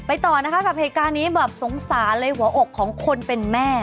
ต่อนะคะกับเหตุการณ์นี้แบบสงสารเลยหัวอกของคนเป็นแม่